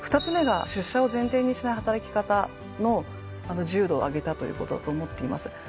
２つ目が出社を前提にしない働き方の自由度を上げたということだと思っています。